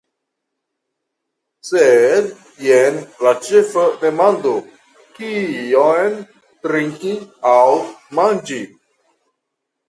Sed jen la ĉefa demando: kion trinki aŭ manĝi.